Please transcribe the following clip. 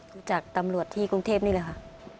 รู้จักตำรวจที่กรุงเทพนี่แหละค่ะ